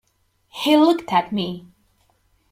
He looked at me.